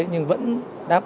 nhưng vẫn đáp ứng